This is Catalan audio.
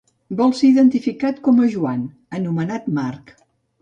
Sol ser identificat com a Joan, anomenat Marc.